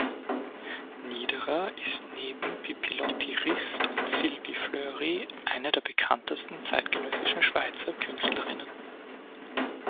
Niederer ist neben Pipilotti Rist und Sylvie Fleury eine der bekanntesten zeitgenössischen Schweizer Künstlerinnen.